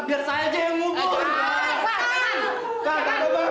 biar saya aja yang ngubur